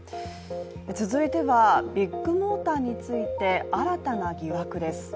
続いてはビッグモーターについて新たな疑惑です。